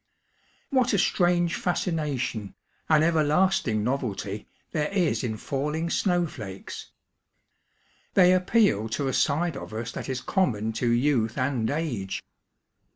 What a strange fascination, an everlasting novelty, there is in falling snowflakes I They appeal to a side of us that is common to youth and age.